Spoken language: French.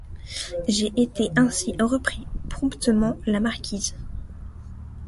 J’ai été ainsi, reprit promptement la marquise.